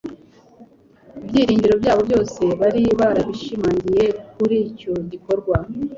Ibyiringiro byabo byose bari barabishimangiye kuri icyo gikorwa.